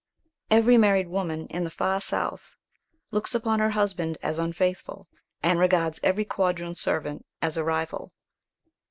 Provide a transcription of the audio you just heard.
Every married woman in the far South looks upon her husband as unfaithful, and regards every quadroon servant as a rival.